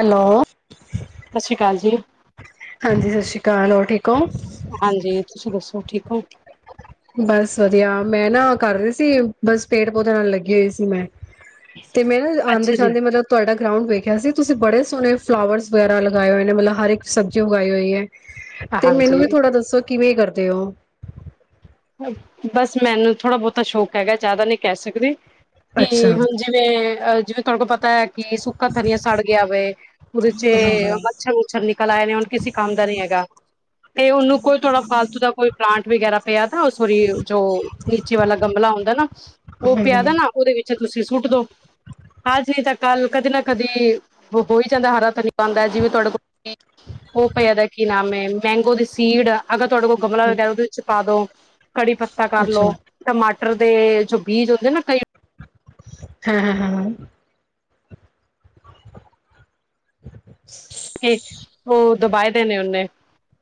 Hello! ਸਤਿ ਸ਼੍ਰੀ ਅਕਾਲ ਜੀ, ਹਾਂਜੀ ਸਤਿ ਸਤਿ ਸ੍ਰੀ ਆਕਾਲ ਹੋਰ ਠੀਕ ਹੋ ਹਾਂਜੀ ਤੁਸੀਂ ਦੱਸੋ ਹੋਰ ਠੀਕ ਔ? ਬਸ ਵਧੀਆ ਮੈਂ ਨਾ ਕਰ ਰੀ ਸੀ ਬਸ ਪੇੜ ਪੌਦੇਆਂ ਨਾਲ ਲੱਗੀ ਹੋਈ ਸੀ ਮੈਂ ਤੇ ਮੈਂ ਨਾ ਆਂਦੇ ਅੱਛਾ ਜੀ। ਜਾਂਦੇ ਮਤਲਬ ਤੁਹਾਡਾ ਗਰਾਊਂਡ ਵੇਖਿਆ ਸੀ ਤੁਸੀਂ ਬੜੇ ਸੋਹਣੇ ਫਲਾਵਰਸ ਵਗੈਰਾ ਲਗਾਏ ਹੋਏ ਨੇ ਮਤਲਬ ਹਰ ਇੱਕ ਸਬਜ਼ੀ ਉਗਾਈ ਹੋਈ ਹੈ ਤੇ ਮੈਨੂੰ ਵੀ ਹਾਂਜੀ, ਥੋੜ੍ਹਾ ਦੱਸੋ ਕਿਵੇਂ ਕਰਦੇ ਹੋ ਬਸ ਮੈਨੂੰ ਥੋੜ੍ਹਾ ਬਹੁਤਾ ਸ਼ੌਕ ਹੈਗਾ ਜ਼ਿਆਦਾ ਨਹੀਂ ਕਹਿ ਸਕਦੀ ਅੱਛਾ ਕਿ ਹੁਣ ਜਿਵੇਂ ਅਹ [unintelligible] ਪਤਾ ਹੈ ਕਿ ਸੁੱਕਾ ਧਨਿਆ ਸੜ ਗਿਆ ਵੇ ਉਹਦੇ ਚ ਹਾਂ ਹਾਂ ਮੱਛਰ ਮੁੱਛਰ ਨਿਕਲ ਆਏ ਨੇ ਹੁਣ ਕਿਸੇ ਕੰਮ ਦਾ ਨੀ ਹੈਗਾ ਤੇ ਉਹਨੂੰ ਕੋਈ ਥੋੜਾ ਫਾਲਤੂ ਦਾ ਕੋਈ ਪਲਾਂਟ ਵਗੈਰਾ ਪਿਆ ਉਹ ਸੋਰੀ ਜੋ ਨੀਚੇ ਵਾਲਾ ਗਮਲਾ ਹੁੰਦਾ ਨਾ ਉਹ ਹਮ ਪਿਆ ਦਾ ਹਮ, ਨਾ ਉਹਦੇ ਵਿੱਚ ਤੁਸੀਂ ਸੁੱਟ ਦੋ ਅੱਜ ਨਹੀਂ ਤਾਂ ਕੱਲ ਕਦੇ ਨਾ ਕਦੀ ਵੋ ਬੋਈ ਜਾਂਦਾ ਹੈ ਹਰਾ ਧਨੀਆ ਹੋ ਹੀ ਜਾਂਦਾ ਜਿਵੇਂ ਤੁਹਾਡੇ ਕੋਲ ਪਿਆਦਾ ਕੀ ਨਾਮ ਹੈ ਮੈਂਗੋ ਦੀ ਸੀਡ ਅਗਰ ਤੁਹਾਡੇ ਕੋਲ ਗਮਲਾ ਵਗੈਰਾ ਉਹਦੇ ਵਿੱਚ ਪਾ ਦੋ [unintelligible] [inaudible] ਕੜੀ ਪੱਤਾ ਕਰਲੋ ਅੱਛਾ ਟਮਾਟਰ ਟਟਰ ਦੇ ਜੋ ਬੀਜ ਹੁੰਦੇ ਨਾ ਕਈ ਹਾਂ ਹਾਂ ਹਾਂ ਹੋਰ ਦੁਬਾਏ ਦੇ ਨੇ ਔਨੇ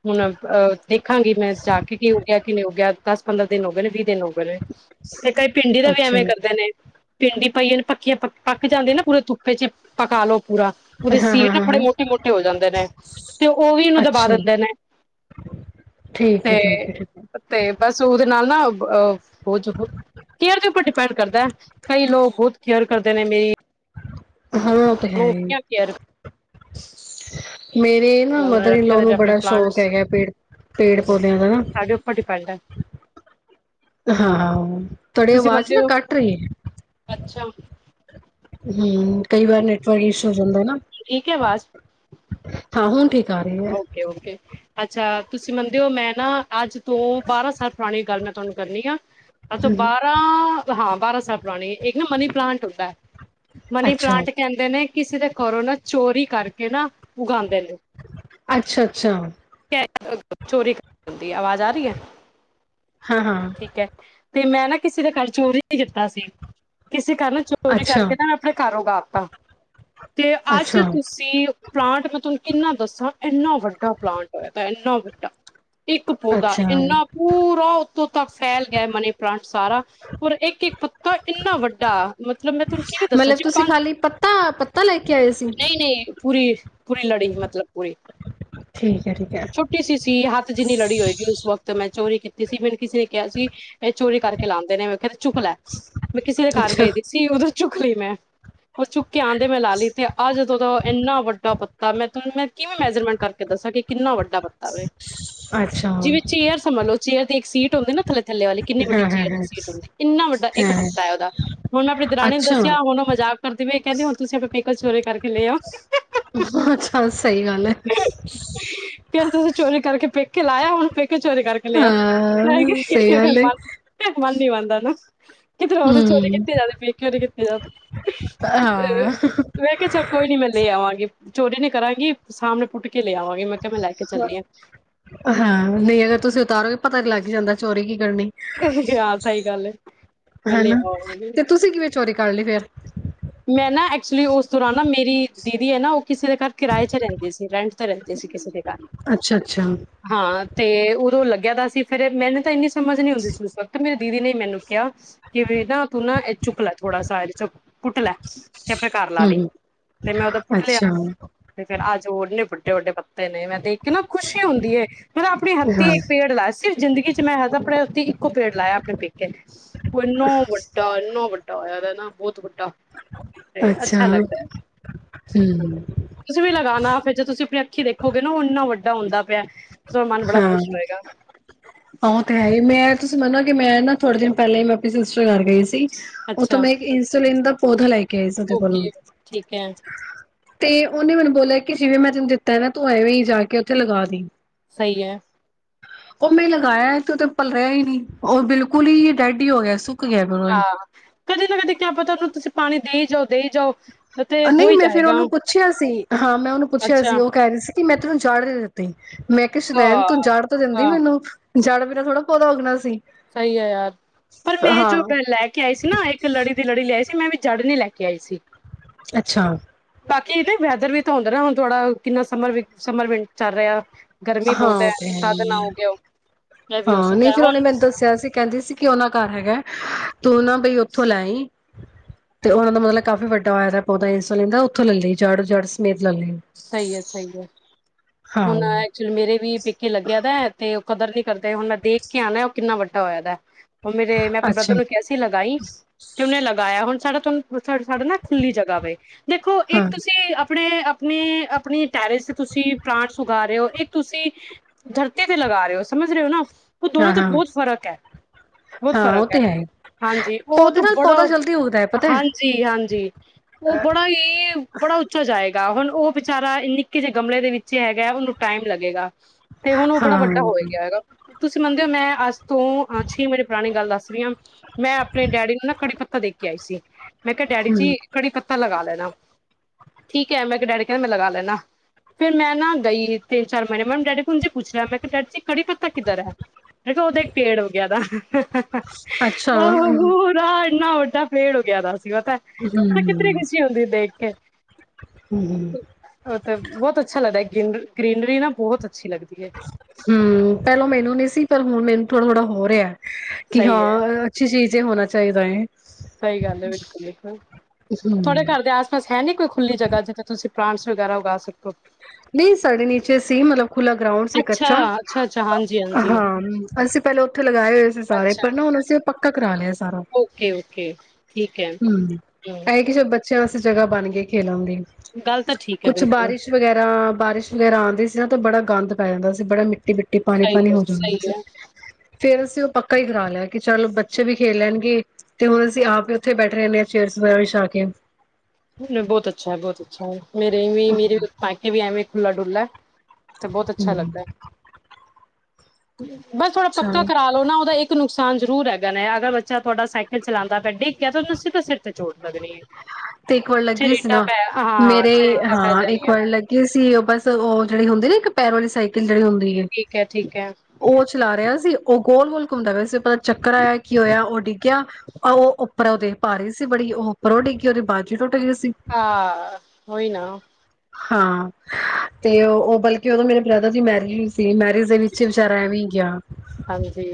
ਹੁਨ ਅ ਦੇਖਾਂਗੀ ਮੈਂ ਜਾ ਕੇ ਕੀ ਹੋ ਗਿਆ ਕੀ ਨਈ ਹੋ ਗਿਆ ਦਸ ਪੰਦਰਾਂ ਦਿਨ ਹੋ ਗਏ ਨੇ ਵੀ ਦਿਨ ਹੌ ਗਏ ਨੇ, ਤੇ ਕਈ ਪਿੰਡੀ ਦਾ ਵੀ ਅੱਛਾ ਐਵੇਂ ਹਾਂ ਕਰਦੇ ਨੇ ਪਿੰਡੀ ਪਈ ਹੌਈ ਪੱਕੀਆਂ ਪ ਪੱਕ ਜਾਂਦੇ ਨਾ ਪੂਰੇ ਧੁੱਭ ਈਚ ਪਕਾ ਲਔ ਪੂਰਾ ਓਦੇ ਹਾਂ ਸੀਡ ਨਾ ਹਾਂ ਥੋੜੇ ਹਾਂ, ਮੋਟੇ ਮੋਟ ਜਾਂਦੇ ਨੇ ਤੇ ਔ ਔ ਵੀ ਇਹਨੂੰ ਦਬਾ ਅੱਛਾ ਦਿੰਦੇ ਨੇ, ਠੀਕ ਹੈ ਤੇ ਠੀਕ ਹੈ ਠੀਕ ਹੈ ਤੇ ਬਾਸ ਉਦੇ ਨਾ ਅ ਫੋਜ ਕੇਅਰ ਦੇ ਉੱਪਰ ਡਿਪੈਂਡ ਕਰਦੈ ਕਈ ਲੋਕ ਬੌਤ ਕੇਅਰ ਕਰਦੇ ਨੇ ਮੇਰੀ ਹਾਂ ਔ ਤੇ ਹੈ ਈ ਕੇਅਰ [unintelligible] ਮੇਰੇ ਨਾ ਉਹਨਾਂ ਨੇ ਮਦਰ ਰੱਖੇ ਈਨ-ਲੋ ਦੇ ਨੇ ਨੂੰ ਆਪਣੇ ਬੜਾ ਸ਼ੌਕ ਪਲਾਂਟਸ ਹੈਗੈ ਪੇੜ ਤੇ ਪੇੜ ਪੌਦਿਆਂ ਦਾ ਨਾ ਸਾਡੇ ਉੱਪਰ ਡਿਪੈਂਡ ਹੈ ਹਾਂ-ਹਾਂ, ਤੁਹਾਡੀ ਤੁਸੀਂ ਅਵਾਜ਼ ਮੰਨਦੇ ਨਾ ਹੋ ਕਾਟ ਰਈ ਏ, ਅੱਛਾ ਹੰ ਕਈ ਵਾਰ ਨੈਟਵਰਕ ਇਸ਼ੁ ਹੋ ਜਾਂਦਾ ਐ ਨਾ। ਠੀਕ ਹਾਂ ਹੁਨ ਠੀਕ ਆ ਰਹੀ ਹੈ ਔਕੇ ਔਕੇ ਅੱਛਾ, ਤੁਸੀਂ ਮੰਨਦੇ ਔ ਮੈਂ ਨਾ ਅੱਜ ਤੋਂ ਬਾਰਾਂ ਸਾਲ ਪੁਰਾਣੀ ਗੱਲ ਮੈਂ ਤੁਆਨੂੰ ਕਰਨੀ ਆ ਅੱਛਾ ਹਮ ਬਾਰਾਂ ਹਾਂ ਬਾਰਾਂ ਸਾਲ ਪੁਰਾਣੀ ਇੱਕ ਨਾ ਮਨੀ ਪਲਾਂਟ ਹੁੰਦਾ ਹੈ ਮਨੀ ਅੱਛਾ ਪਲਾਂਟ ਕਹਿੰਦੇ ਨੇ ਕਿਸੇ ਦੇ ਘਰੋਂ ਨਾ ਚੋਰੀ ਕਰਕੇ ਨਾ ਉਗਾਉਂਦੇ ਨੇ ਅੱਛਾ ਅੱਛਾ ਚੋਰੀ ਕਰ ਦੀ ਆਵਾਜ਼ ਆ ਰਹੀ ਹੈ ਹਾਂ ਹਾਂ ਠੀਕ ਹੈ ਤੇ ਮੈਂ ਨਾ ਕਿਸੇ ਦੇ ਘਰ ਚੋਰੀ ਹੀ ਦਿੱਤਾ ਸੀ ਕਿਸੇ ਘਰ ਨਾ ਚੋਰੀ ਅੱਛਾ ਕਰਕੇ ਨਾ ਆਪਣੇ ਘਰ ਉਗਾੳ ਤਾਂ ਤੇ ਅੱਜ ਅੱਛਾ ਤੁਸੀਂ ਪਲਾਂਟ ਮੈਂ ਤੁਹਾਨੂੰ ਕਿੰਨਾ ਦੱਸਾਂ ਇੰਨਾ ਵੱਡਾ ਪਲਾਂਟ ਹੈ ਇਹਦਾ ਇਨਾ ਵੱਡਾ ਇੱਕ ਪੌਦਾ ਅੱਛਾ ਇੰਨਾ ਪੂਰਾ ਉੱਤੋਂ ਤੱਕ ਫੈਲ ਗਿਆ ਮਨੀ ਪਲਾਂਟ ਸਾਰਾ ਔਰ ਇੱਕ ਇੱਕ ਪੱਤਾ ਇੰਨਾ ਵੱਡਾ ਮਤਲਬ ਮੈਂ ਤੁਹਾਨੂੰ ਕਿਵੇਂ ਦੱਸਾਂ ਮਤਲਬ ਜੀ ਤੁਸੀਂ ਪੰਜ ਖਾਲੀ ਪੱਤਾ ਪੱਤਾ ਲੈ ਕੇ ਆਏ ਸੀ ਨਹੀਂ ਨਹੀਂ ਪੂਰੀ ਪੂਰੀ ਲੜੀ ਮਤਲਬ ਠੀਕ ਹੈ ਠੀਕ ਹੈ ਛੁੱਟੀ ਸੀ ਸੀ ਹੱਥ ਜਿੰਨੀ ਲੜੀ ਹੋਏਗੀ ਉਸ ਵਕਤ ਮੈਂ ਚੋਰੀ ਕੀਤੀ ਜਸੀਂ ਮੈਨੂੰ ਕਿਸੇ ਨੇ ਕਿਹਾ ਸੀ ਇਹ ਚੋਰੀ ਕਰਕੇ ਲਾਉਂਦੇ ਨੇ ਚਝੁੱਕ ਲੈ ਮੈਂ ਕਿਸੇ ਦੇ ਘਰ ਅੱਛਾ ਗਏ ਸੀ ਸੀ ਉਦੋਂ ਚੁੱਕ ਲਈ ਮੈਂ ਉਹ ਚੁੱਕ ਕੇ ਆਉਂਦੇ ਮੈਂ ਲਾ ਲਈ ਤੇ ਅੱ ਜਦੋਂ ਦਾ ਇੰਨਾ ਵੱਡਾ ਪੱ ਤਾਂ ਮੈਂ ਤੁ ਮੈਂ ਕੀਂਵੇਂ ਮੈਜਰਮੈਂਟ ਕਰਕੇ ਦੱਸਾਂ ਕਿੰਨਾ ਵੱਡਾ ਪੱਤਾ ਹੋਵੇ ਅੱਛਾ ਜਿਵੇਂ ਚੇਅਰ ਸੰਭਨ ਲਓ ਚੇਅਰ ਤੇ ਇੱਕ ਸੀਟ ਹੁੰਦੇ ਨਾ ਥੱਲੇ ਵਾਲੀ ਕਿੰਨੀ ਵੱਡੀ ਹਾਂ ਹਾਂ ਚੇਅਰ ਹਾਂ ਸੀਟ ਇੰਨਾ ਵੱਡਾ ਇੱਕ ਹਾਂ ਪੱਤਾ ਉਹਦਾ ਹੁਣ ਮੈਂ ਆਪਣੀ ਦਰਰਾਣੀ ਨੂੰ ਅੱਛਾ ਦੱਸਿਆ ਹੁਨੂੰ ਮਜ਼ਾਕ ਕਰਦੀਵੇ ਕਹਿੰਦੇ ਹੁਣ ਤੁਸੀਂ ਆਪਣੇ ਪੇਕੇ ਤੋ ਚੋਰੀ ਕਰਕੇ ਲਏ ਆਓ ਅੱਛਾ ਸਹੀ ਗੱਲ ਹੈ ਕਹਿੰਦੇ ਤੁਸੀਂ ਚੋਰੀ ਕਰਕੇ ਪੇਕੇ ਲਾਇਆ ਹੁਣ ਫੇ ਚੋਰੀ ਕਰਕੇ ਲਿਆ ਮੈ ਹਾਂ ਸਹੀ ਗੱਲ ਹੈ ਕਿਹਾ [unintelligible] ਨਹੀ ਮੰਦਾ ਨਾ ਕਿੱਧਰ ਹੋਰੋ ਚੋਰੀ ਹੂੰ, ਕੀਤੀ ਜਾਵੇ ਪੇਕੇਯੋੰ ਨਈ ਕਿੱਤੀ ਜਾਂਦੀ ਹਾਂ। ਮੈਂ ਕਿਹਾ ਚਲ ਕੋਈ ਨਈ ਮੈਂ ਲੈ ਆਵਾਂਗੀ ਚੋਰੀ ਨੇ ਕਰਾਂਗੀ ਸਾਹਮਣੇ ਪੁੱ ਕੇ ਲੈ ਆਵਾਂਗੀ ਮੈਂ ਕਿਹਾ ਮੈਂ ਲੈ ਕੇ ਚੱਲੀ ਆ। ਹਾਂ ਨਹੀਂ ਅਗਰ ਤੁਸੀਂ ਉਤਾਰੋਗੇ ਪਤਾ ਨੀ ਲੱਗ ਜਾਂਦਾ ਚੋਰੀ ਕੀ ਕਰਨ ਹਾਂ ਸਹੀ ਗੱਲ ਏ ਮੈਂ ਲੈ ਹਨਾ ਆਵਾਂਗੀ। ਤੇ ਤੁਸੀਂ ਕਿਵੇਂ ਚੋਰੀ ਕਰ ਲਈ ਫਿਰ ਮੈਂ ਨਾ ਐਕਚੁਲੀ ਉਸ ਦੌਰਾਨ ਨਾ ਮੇਰੀ ਦੀਦੀ ਹੈ ਨਾ ਕਿਸੇ ਦੇ ਘਰ ਕਿਰਾਏ ਚ ਰੇਂਦੀ ਸੀ ਰੈਂਟ ਤੇ ਰੈਂਦੀ ਸੀ ਕਿਸੇ ਦੇ ਘਰ ਅੱਛਾ-ਅੱਛਾ, ਹਾਂ ਤੇ ਉਦੋਂ ਲੱਗੇ ਦਾ ਸੀ ਫੇਰ ਮੈਨੂੰ ਤਾਂ ਇੰਨੀ ਸਮਝ ਨੀ ਹੁੰਦੀ ਸੀ ੳਸ ਵਕਤ ਮੇਰ ਦੀਦੀ ਨੇ ਮੈਨੂੰ ਕੇਆ ਕਿ ਵੀ ਨਾ ਤੂੰ ਨਾ ਏ ਚੁੱਕ ਲੈ ਥੋੜਾ ਸਾ ਇਹ ਚੁੱਕ ਪੁੱਟ ਲੈ, ਤੇ ਆਪਣੇ ਘਰ ਲਾ ਲਈਂ ਹੂੰ, ਤੇ ਮੈਂ ਔਦਾ ਪੁੱਟ ਲਿਆ, ਅੱਛਾ, ਤੇ ਫੇਰ ਅੱਜ ਔਨੇ ਪ ਵਡੇ-ਵਡੇ ਪਤ ਦੇ ਨੇ ਮੈਂ ਤੇ ਕੀਨਾ ਖੁਸ਼ੀ ਹੁੰਦੀ ਏ, ਮੈਂ ਆਪਨੇ ਹੱਥੀਂ ਹਾਂ। ਇੱਕ ਪੇੜ ਲਾਇਆ ਸਿਰਫ਼ ਜ਼ਿੰਦਗੀ ਚ ਮੈਂ ਆਪਨੇ ਹੱਥੀਂ ਇੱਕੋ ਪੇੜ ਲਾਇਆ ਆਪੇਨ ਪੇਕੇ ਉਹ ਇੰਨੋ ਵੱਡਾ ਇਨਾ ਵੱਡ ਹੋਇਆ ਦਾ ਐ ਨਾ ਬੌਤ ਵਡਾੱ ਤੇ ਅੱਛਾ ਲੱਗਦੈ, ਹੂੰ, ਤੁਸੀ ਵੀ ਲਗਾਨਾ ਫੇਰ ਜੇ ਤੁਸੀਂ ਆਪਨੀ ਅੱਖੀਂ ਦੇਖੋਗੇ ਨਾ ਔ ਏਨਾਂ ਵੱਡ ਹੁੰਦਾ ਸੋ ਮਾਨ ਹਾਂ। ਬੜਾ ਹਾਂ ਖੁਸ਼ ਹੋਏਗਾ ਉਹ ਤੇ ਹੈ ਹੀ ਮੈਂ ਤੁਸੀਂ ਮੰਨੋ ਕਿ ਮੈਂ ਨਾ ਥੋੜੇ ਦਿਨ ਪੈਲੇ ਮੈਂ ਆਪਨੀ ਸਿਸਟਰ ਘਰ ਗਈ ਸੀ। ਉੱਥੋਂ ਅੱਛਾ ਮੈਂ ਇੱਕ ਇਨਸੁਲਿਨ ਦਾ ਔਦਾ [unintelligible] [unintelligible] ਦੇ ਕੋਲੋਂ। ਓਕੇ ਠੀਕ ਹੈ ਤੇ ਔਨੇ ਮੈਨੂੰ ਬੋਲਿਆ ਕਿ ਜਿਵੇਂ ਮੈਂ ਤੈਨੂੰ ਦਿੱਤਾ ਐ ਨਾ ਤੂੰ ਐਵੇਂ ਈ ਜਾ ਕੇ ਔਥੇ ਲਗਾ ਦੀਂ ਸਈ ਐ। ਉਹ ਮੈਂ ਲਗਾਇਆ ਤੇ ਉਹ ਤੇ ਪਲਰ ਆ ਹੀ ਨਹੀਂ ਉਹ ਬਿਲਕੁਲ ਹੀ ਡੈਡ ਹੀ ਹੋ ਗਿਆ ਸੁ ਹਾਂ, ਕਦੇ ਨਾ ਕਦੇ ਕਿਆ ਆਪਾਂ ਹੁਣ ਤੁਸੀਂ ਪਾਣੀ ਦੇਈ ਜਾਓ -ਦੇਈ ਜਾਓ। ਤੇ ਹੋ ਨਹੀਂ ਹੀ ਮੈਂ ਫਿਰ ਜਾਏਗਾ ਉਹਨੂੰ ਪੁੱਛਿਆ ਸੀ ਹਾਂ ਮੈਂ ਉਹਨੂੰ ਪੁੱਛਿਆ ਅੱਛਾ ਸੀ ਉਹ ਕਹਿ ਰਹੀ ਸੀ ਕਿ ਮੈਂ [unintelligible] ਦਿੱਤੇ ਮੈਂ ਕਿਹਾ ਸ਼ਦੈਨ [unintelligible] ਹਾਂ ਤੂੰ ਜਾੜ ਤਾਂ ਦਿੰਦੀ ਹਾਂ ਮੈਨੂੰ ਜੜ ਬਿਨਾਂ ਥੋੜਾ ਪੌਦਾ ਉੱਗਣਾ ਸੀ। ਸਹੀ ਹੈ ਯਾਰ ਪਰ ਮੈਂ ਜੋ ਹਾਂ ਲੈ ਕੇ ਆਈ ਸੀ, ਨਾ ਇੱਕ ਲੜੀ ਦੀ ਲੜੀ ਲਿਆਈ ਸੀ ਮੈਂ ਵੀ ਜੜ ਨਹੀਂ ਲੈ ਕੇ ਆਈ ਸੀ। ਅੱਛਾ। ਬਾਕੀ ਨਾ ਵੈਦਰ ਵੀ ਤਾਂ ਹੁੰਦਾ ਨਾ ਹੁਣ ਥੋੜਾ ਕਿੰਨਾ ਸਮਰ ਵੀਕ ਸਮਰ ਵਿਨ ਚੱਲ ਰਿਹਾ। ਗਰਮੀ ਹਾਂ, ਬਹੁਤ ਉਹ ਤਾ ਹੈ ਤੇ ਤਦ ਨਾ ਹੈਹੀ ਹੋ ਗਿਆ ਉਹ ਇਹ ਵੀ ਹੋ ਹਾਂ, ਨਹੀਂ ਸਕਦਾ ਫਿਰ ਉਹਨੇ ਹੁਣ ਮੈਨੂੰ ਦੱਸਿਆ ਸੀ ਕਹਿੰਦੀ ਸੀ ਕਿ ਉਹਨਾ ਘਰ ਹੈਗਾ। ਤੂੰ ਨਾ ਬਈ ਉੱਥੋਂ ਲੈ ਆਈ ਤੇ ਉਹਨਾਂ ਦਾ ਮਤਲਬ ਕਾਫ਼ੀ ਵੱਡਾ ਹੋਇਆ ਪੌਦਾ ਇਨਸੁਲਿਨ ਦਾ ਉੱਥੋਂ ਲੈ ਲਈ ਜੜ ਜੜ ਸਮੇਤ ਲੈ ਲਈ। ਸਹੀ ਐ -ਸਹੀ ਐ। ਹਾਂ ਹੁਣ ਐਕਚੁਲੀ ਮੇਰੇ ਵੀ ਪੇਕੇ ਲੱਗਿਆ ਦਾ ਤੇ ਕਦਰ ਨਹੀਂ ਕਰਦੇ ਹੁਣ ਮੈਂ ਦੇਖ ਕੇ ਆਣਾ ਉਹ ਕਿੰਨਾ ਵੱਡਾ ਹੋਇਆ ਦਾ। ਹੁਣ ਮੇਰੇ ਮੈਂ ਆਪਣੇ ਅੱਛਾ ਬ੍ਰਦਰ ਨੂੰ ਕਿਹਾ ਸੀ ਲਗਾਈ ਕਿ ਉਹਨੇ ਲਗਾਇਆ ਹੁਣ ਸਾਡਾ ਤੂੰ ਸਾਡਾ ਨਾਲ ਖੁੱਲੀ ਜਗ੍ਹਾ ਵੈ ਦੇਖੋ ਇੱਕ ਹਾਂ ਤੁਸੀਂ ਆਪਣੀ -ਆਪਣੀ -ਆਪਣੀਂ ਟੈਰਿਸ ਤੁਸੀਂ ਪਲਾਂਟਸ ਉਗਾ ਰਹੇ ਹੋ ਇਹ ਤੁਸੀਂ ਧਰਤੀ ਤੇ ਲਗਾ ਰਹੇ ਹੋ ਸਮਝ ਰਹੇ ਹੋ ਨਾ। ਉਹ ਦੋਨੋ ਹਾਂ 'ਚ ਹਾਂ ਬਹੁਤ ਫ਼ਰਕ ਐ। ਬਹੁਤ ਹਾਂ ਉਹ ਫ਼ਰਕ ਐ ਤੇ ਹੈ ਹਾਂਜੀ ਉਹ ਪੌਦੇ ਤਾਂ ਨਾਲ ਬੜਾ ਪੌਦਾ ਜਲਦੀ ਉੱਗਦਾ ਹੈ ਪਤਾ ਹੈ। ਹਾਂਜੀ- ਹਾਂਜੀ ਉਹ ਬੜਾ ਹੀ ਬੜਾ ਉੱਚਾ ਜਾਏ ਹੁਣ ਉਹ ਵਿਚਾਰਾ ਐ ਨਿੱਕੇ ਜਿਹੇ ਗਮਲੇ ਦੇ ਵਿੱਚ ਹੈਗਾ ਉਹਨੂੰ ਟਾਈਮ ਲੱਗੇਗਾ। ਤੇ ਹੁਣ ਉਹ ਬੜਾ ਹਾਂ ਵੱਡਾ ਹੋਏਗਾ ਹੈਗਾ। ਤੁਸੀਂ ਮੰਨਦੇ ਹੋ ਮੈਂ ਅੱਜ ਤੋਂ ਅ ਛੇ ਵਜੇ ਪੁਰਾਣੀ ਗੱਲ ਦੱਸ ਰਹੀ ਹਾਂ ਮੈਂ ਆਪਣੇ ਡੈਡੀ ਨੂੰ ਨਾ ਕੜੀ ਪੱਤਾ ਦੇਖ ਕੇ ਆਈ ਸੀ। ਮੈਂ ਕਿਹਾ ਡੈਡੀ ਹਮ ਜੀ ਕੜੀ ਪੱਤਾ ਲਗਾ ਲੈ ਠੀਕ ਹੈ ਮੈਂ ਇੱਕ ਡੈਡੀ ਕਹਿੰਦਾ ਮੈਂ ਲਗਾ ਲੈਦਾ ਫਿਰ ਮੈਂ ਨਾ ਗਈ ਤਿੰਨ ਚਾਰ ਮਹੀਨੇ ਮੈ ਡੈਡੀ ਕੋ ਜੀ ਪੁੱਛ ਰਿਆ ਮੈਂ ਕਿਹਾ ਡੈਡੀ ਜੀ ਕੜੀ ਪੱਤਾ ਕਿੱਧਰ ਐ ਮੈਂ ਕਿਹਾ ਉਹਦੇ ਇੱਕ ਪੇੜ ਹੋ ਗਿਆ ਬ ਅੱਛਾ [inaudible] ਹਮ ਇੰਨਾ ਵੱਡਾ ਪੇੜ ਉਗਿਆ ਦਾ ਸੀ। ਪਤਾ ਮੈਂ ਕਿਤਨੀ ਹਮ ਖੁਸ਼ੀ ਹੁੰਦੀ ਦੇਖ ਕੇ, ਹਮ ਉਹ ਤਾਂ ਬਹੁਤ ਅੱ ਗਨਰੀ ਗ੍ਰਨਰੀ ਨਾ ਬਹੁਤ ਹੈ। ਹੂੰ ਪਹਿਲੋਂ ਮੈਨੂੰ ਨੀ ਸੀ ਪਰ ਹੁਣ ਮੈਨੂ ਥੋੜ-ਥੋੜਾ ਹੋ ਰਿਹਾ। ਕਿ? ਸਹੀ ਹੈ ਹਾਂ, ਅੱਛੀ ਚੀਜ਼ ਹੈ ਹੋਣਾ। ਚਾਹੀਦਾ ਹੈ। ਸਹੀ ਗੱਲ ਹੈ, ਬਿਲਕੁਲ-ਬਿਲਕੁਲ ਤੁਹਾਡੇ ਹਮ ਘਰ ਦੇ ਆਸ-ਪਾਸ ਹੈ ਨੀ ਕੋਈ ਖੁੱਲੀ ਜਗ੍ਹਾ, ਜਿੱਥੇ ਤੁਸੀਂ? ਪ੍ਰਾਂਲਟਸ ਵਗੈਰਾ ਉਗਾ ਸਕੋ। ਨੀ, ਸਾਡੇ ਨੀਚੇ ਸੀ ਮਤਲਬ ਖੁੱਲਾ ਗਰਾਉਂਡ ਸੀ ਇੱਕ ਅੱਛਾ, ਕੱਚਾ, ਅੱਛਾ-ਅੱਛਾ, ਹਾਂਜੀ-ਹਾਂਜੀ, ਹਾਂ ਅਸੀਂ ਪਹਿਲੇ ਉੱਥੇ ਲਗਾਏ ਹੋਏ ਸੀ ਸਾਰੇ ਅੱਛਾ, ਪਰ ਨਾ ਹੁਣ ਅਸੀਂ ਪੱਕਾ ਕਰਾ ਲਿਆ ਸੀ। ਓਕੇ-ਓਕੇ, ਠੀਕ ਹੈ। ਹਮ ਇਹ ਕਿ ਜ ਬੱਚਿਆਂ ਵਾਸਤੇ ਜਗ੍ਹਾ ਬਣ ਗਈ ਖੇਲਣ ਦੀ। ਗੱਲ ਤਾਂ ਠੀਕ ਹੈ ਕੁਛ ਬਿਲਕੁਲ। ਬਾਰਿਸ਼ ਵਗੈਰਾ ਬਾਰਿਸ਼ ਵਗੈਰਾ ਆਉਂਦੀ ਸੀ ਨਾ ਤੇ ਬੜਾ ਗੰਦ ਪੈ ਜਾਂਦਾ ਸੀ ਬੜਾ ਮਿੱ ਮਿੱਟੀ-ਮਿੱਟੀ, ਸਹੀ ਪਾਣੀ-ਪਾਣੀ ਹੈ, ਹੋ ਜਾਦਾ ਸਹੀ ਸੀ। ਫੇਰ ਅਸੀਂ ਉਹ ਪੱਕਾ ਹੀ ਕਰਾ ਲਿਆ ਕਿ ਚਲ ਬੱਚੇ ਵੀ ਖੇਲ ਲੈਣਗੇ ਤੇ ਹੁਣ ਅਸੀਂ ਆਪ ਹੀ ਉੱਥੇ ਬੈਠੇ ਰਹਦੇ ਹ ਚੇਅਰ ਵਗੈਰਾ ਵਿਛਾ ਕੇ ਨਹੀਂ, ਬਹੁਤ ਅੱਛਾ ਹੈ, ਬਹੁਤ ਅੱਛਾ ਹੈ। ਮੇਰੇ ਵੀ ਮੇਰੇੇ ਪੇਕੇ ਵੀ ਐਵੇਂ ਖੁੱਲ [unintelligible] ਤੇ, ਬਹੁਤ ਅੱਛਾ ਹਮ ਲੱਗਦਾ ਹੈ। ਬਸ ਥੋੜਾ ਪੱਕਾ ਚਲੋ ਕਰਾਾਲਓ ਨਾ ਉਹਦਾ ਇੱਕ ਨੁਕਸਾਨ ਜ਼ਰੂਰ ਹੈਗਾ ਨੇ ਅਗਰ ਬੱਚਾ ਤੁਹਾਡਾ ਸਾਈਕਲ ਚਲਾਉਂਦਾ ਪਿਆ ਡਿੱਗ ਗਿਆ ਤੇ ਉਹਨੂੰ ਸੀਧਾ ਸਿਰ ਤੇ ਚੋਟ ਲੱਗਣੀ ਹੈ। ਤੇ ਇੱਕ ਵਾਰ ਲੱਗੀ ਸੀ ਨਾ ਹਾਂ, ਮੇਰੇ ਛਰੀਟਾ ਪੈ ਹਾਂ ਇੱਕ ਜਾਣੀਆਂ, ਵਾਰ ਲੱਗੀ ਸੀ ਉਹ ਬਸ ਉਹ ਜਿਹੜੇ ਹੁੰਦੇ ਨਾ ਪੈੋਡਲ ਵਾਲੀ ਸਾੲਕਿੰਲ ਹੁੰਦੀ ਹੈ, ਠੀਕ ਠੀਕ ਹੈ, ਉਹ ਚਲਾ ਰਿਹਾ ਸੀ। ਉਹ ਗੋਲ-ਗੋਲ ਘੁੰਮਦਾਇਆ ਪੇਆ ਸੀ ਪਤਾ ਚੱਕਰ ਆਇਆ ਕੀ ਹੋਇਆ ਉਹ ਡਿੱਗਿਆ ਉਹ ਉੱਪਰ ਉਹਦੇ ਪਾ ਰਹੇ ਸੀ ਬੜੀ ਉਹ ਪਰੋਟੀ ਕਯੋ? ਹਾਂ, ਉਹੀਨਾ। ਹਾਂ, ਤੇ ਉਹ ਬਲਕਿ ਉਦੋਂ ਮੇਰੇ ਬ੍ਰਦਰ ਦੀ ਮੈਰਿਜ ਮੈਰਿਜ ਦੇ ਵਿੱਚ ਵਿਚਾਰਾ ਐਵੇਂ ਗਿਆ। ਹਾਂਜੀ।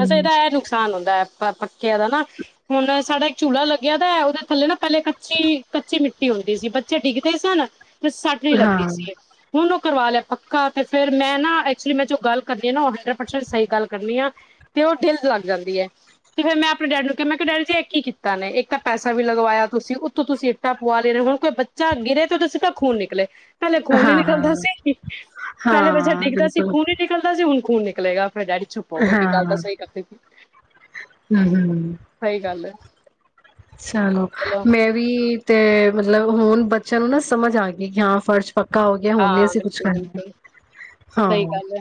ਬਸ, ਇਹਦਾ ਇਹ ਨੁਕਸਾਨ ਹੁੰਦਾ ਹੈ। ਪਰ ਪੱਕਿਆ ਦਾ ਨਾ ਹੁਣ ਸਾਡਾ ਇੱਕ ਚੂਲਾ ਲੱਗਿਆ ਦਾ ਉਹਦੇ ਥੱਲੇ ਨਾ ਪਹਲੇ ਕੱਚੀ-ਕੱਚੀ ਮਿਟੀ ਕੀ ਹੁੰਦੀ ਸੀ, ਬੱਚੇ ਡਿੱਗਦੇ ਸਨ ਕਿ ਸੱਟ ਹੀ ਲੱਗਦੀ ਹਾਂ, ਸੀ [unintelligible] ਹੁਣ ਔ ਕਰਵਾ ਲਿਆ ਪੱਕਾ ਤੇ ਫੇਰ ਮੈਂ ਨਾ ਐਕਚੁਲੀ ਮੈਂ ਜੋ ਗੱਲ ਕਰ ਤੇ ਨਾ ਉਹ ਹੰਡਰਡ ਪਰਸੈਂਟ ਸਹੀ ਗੱਲ ਕਰਨੀ ਆ ਤੇ ਉਹ ਡਿੱਲ ਲੱਗ ਜਾਂਦੀ ਐ ਕਿਵੇ ਮੈਂ ਆਪਣੇ ਡੈਡੀ ਨੂੰ ਕਿਆ ਮੈਂ ਕਿਆ ਡੈਡੀ ਜੀ ਐ ਕੀ ਕੀਤਾ ਨੇ ਇੱਕ ਤਾਂ ਪੈਸਾ ਵੀ ਲਗਵਾਇਆ ਤੁਸੀ ਉੱਤੋਂ ਤੁਸੀ ਇੱਟਾਂ ਪਵਾ ਲੇ ਰੇ ਔ ਹੁਣ ਕੋਈ ਬੱਚਾ ਗਿਰੇ ਤੇ ਉਦੇ ਸਿੱਧਾ ਖੂਨ ਨਿਕਲੇ ਪੈਲੇ ਖੂਨ ਨੀ ਹਾਂ, ਨਿਕਲਦਾ ਹਾਂ, ਸੀ। ਪੈਲੇ ਬਚਾ ਹਾਂ ਡਿੱਗਦਾ ਸੀ ਬਿਲਕੁਲ ਖੂਨ ਨੀ ਨਿਕਲ ਹੁਣ ਖੂਨ ਨਿਕਲੇਗਾ। ਮੇਰੇ ਡੈਡੀ ਚੁੱਪ ਹੋ ਗਏ ਕਿ ਗੱਲ ਤਾਂ ਹਾਂ ਸਈ ਕਰ ਦਿੱਤੀ। ਹੂੰ, ਹੂੰ, ਹੂੰ। ਹੈ ਚਲੋ, ਮੈਂ ਵੀ ਤੇ ਮਤਲਬ ਹੁਣ ਬੱਚਿਆਂ ਨੂੰ ਨਾ ਸਮਝ ਆ ਗੀ ਕਿ ਹਾਂ ਫਰਸ਼ ਪੱਕਾ ਹੋ ਗਿਆ, ਹੁਣ ਨੀ ਹਾਂ ਅਸੀ ਕੁਛ ਬਿਲਕੁਲ ਕਰਨਾ। ਬਿਲਕੁਲ ਸਹੀ ਹਾਂ। ਗੱਲ ਹੈ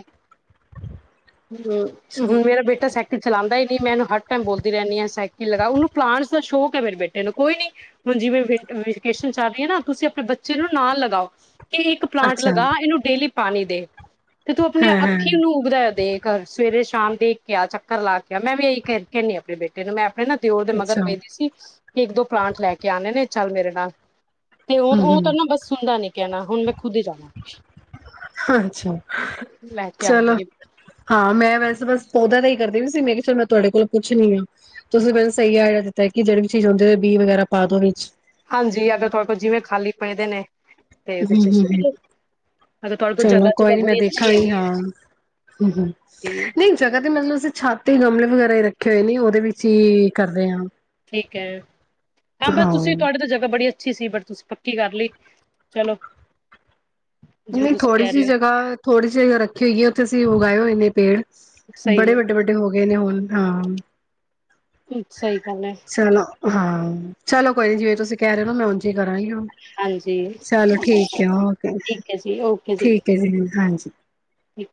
[unintelligible] ਮੇਰਾ ਬੇਟਾ ਸਾਈਕਲ ਚਲਾਂਦਾ ਈ ਮੈਨੂੰ ਹਰ ਟਾਈਮ ਬੋਲਦੀ ਰਹਿੰਨੀ ਆਂ ਸਾਈਕਿਲ ਲਗਾਔ ਉਨੂੰ ਪਲਾਂਟਸ ਦਾ ਸ਼ੌਕ ਐ ਮੇਰੇ ਬੇਟੇ ਨੂੰ। ਕੋਈ ਨੀ ਹੁਣ ਜਿਵੇਂ ਵੇਕ ਵੇਕੇਸ਼ਨਸ ਚੱਲ ਰਈ ਐ ਨਾ ਤੁਸੀ ਆਪਣੇ ਬੱਚੇ ਨੂੰ ਨਾਲ ਲਗਾਔ। ਇਹ ਇੱਕ ਪਲਾਂਟ ਅੱਛਾ ਲਗਾ ਇਹਨੂੰ ਡੇਲੀ ਪਾਣੀ ਦੇ ਤੇ ਤੂੰ ਆਪਣੀਆਂ ਹਾਂ ਅੱਖੀ ਹਾਂ ਇਨੂੰ ਉਗਦਾ ਹੋਇਆ ਤੇ ਘਰ ਸਵੇਰੇ ਸ਼ਾਮ ਦੇਖ ਕੇ ਆ, ਚੱਕਰ ਲਾ ਕੇ ਆ। ਮੈਂ ਵੀ ਇਹੀ ਕਰ ਕੇਨੀ ਆਂ ਆਪਣੇ ਬੇਟੇ ਨੂੰ ਮੈਂ ਮੈਂ ਨਾ ਦਿਔਰ ਦੇ ਮਗਰ ਅੱਛਾ ਪੈਂਦੀ ਸੀ ਕੇ ਇੱਕ-ਦੋ ਪਲਾਂਟ ਲੈ ਕੇ ਆਣੇ ਨੇ ਚੱਲ ਮੇਰੇ ਨਾਲ ਤੇ ਹੁਣ ਹੂੰ ਔ ਤਾਂ ਹੂੰ ਨਾ ਬਸ ਸੁਣਦਾ ਨੀ ਕੈਣਾ, ਹੁਣ ਮੈਂ ਖੁਦ ਈ ਜਾਨੈ। ਅੱਛਾ। ਲੈ ਕੇ ਚਲੋ, ਆਵਾਂਗੀ ਹਾਂ ਮੈਂ ਵੈਸੇ ਬਸ ਪੌਦਾ ਤਾ ਏਈ ਕਰਦੇ ਵੀ ਸੀ ਮੈਂ ਕਿਆ ਚਲ ਮੈਂ ਤੁਆਡੇ ਕੋਲ ਪੁੱਛਨੀ ਆਂ। ਤੁਸੀ ਮੈਨੂੰ ਸਈ ਆਈਡੀਆ ਦਿੱਤਾ ਕਿ ਜਿਹੜੀ ਵੀ ਚੀਜ਼ ਹੁੰਦੀ ਏ ਬੀ ਵਗੈਰਾ ਪਾ ਦੋ ਵਿੱਚ ਹਾਂਜੀ, ਅਗਰ ਤੁਆਡੇ ਕੋਲ ਜਿਵੇਂ ਖਾਲੀ ਪਏ ਦੇ ਨੇ ਤੇ ਉਹਦੇ ਹੂੰ, ਚ ਹੂੰ, ਸੁੱਟ ਹੂੰ ਲੋ ਅਗਰ ਤੁਹਾਡੇ ਕੋਲ ਚਲੋ ਜਗ੍ਹਾ ਕੋਈ ਜੁਗਾ ਨੀ ਮੈਂ ਬੜੀ ਅੱਛੀ ਦੇਖਾਂਗੀ ਹੈਗੀ ਹੈ ਹਾਂ, ਹੂੰ-ਹੂੰ ਤੇ ਨਈ ਜਗ੍ਹਾ ਤੇ ਮੈਨੂੰ ਸੀ ਛੱ ਤ ਤੇ ਗਮਲੇ ਵਗੈਰਾ ਈ ਰੱਖੇ ਹੋਏ ਨੇ ਔਦੇ ਵਿੱਚ ਈ ਕਰਨੇ ਆਂ। ਠੀਕ ਐ। ਹਾਂ, ਬਸ ਤੁਸੀ ਤੁਆਡੇ ਤੇ ਜਗ੍ਹਾ ਬੜੀ ਅੱਛੀ ਸੀ ਬਟ ਤੁਸੀ ਪੱਕੀ ਕਰ ਲਈ। ਚਲੋ ਜਿਵੇਂ ਨਈ ਤੁਸੀਂ ਥੋੜੀ ਕਹਿ ਜੀ ਰਹੇ ਹੋ ਜਗਾ, ਥੋੜੀ ਜਗਾ ਰੱਖੀ ਹੋਈ ਏ ਉੱਥੇ ਅਸੀਂ ਉਗਾਏ ਹੋਏ ਨੇ ਪੇੜ ਸਹੀ ਬੜੇ ਵੱਡੇ-ਵੱਡੇ ਹੋ ਗਏ ਨੇ ਹੁਣ, ਹਾਂ। ਹੈ ਸਹੀ ਗੱਲ ਹੈ ਚਲੋ, ਹਾਂ। ਚਲੋ ਕੋਈ ਨੀ ਜਿਵੇਂ ਤੁਸੀ ਕੈ ਰਏ ਔ ਨਾ ਮੈਂ ਉਂਝ ਈ ਘਰ ਆਈਂ ਆਂ। ਹਾਂਜੀ ਚਲੋ ਠੀਕ ਐ, ਹੋਕੇ। ਠੀਕ ਹੈ ਜੀ ਓਕੇ ਠੀਕ ਹੈ ਜੀ, ਹਾਂ ਹਾਂਜੀ। ਜੀ।